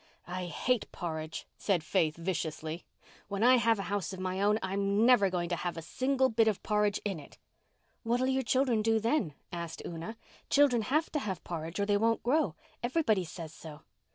"I hate porridge," said Faith viciously. "When I have a house of my own I'm never going to have a single bit of porridge in it." "What'll your children do then?" asked Una. "Children have to have porridge or they won't grow. Everybody says so."